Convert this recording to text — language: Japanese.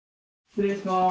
失礼します。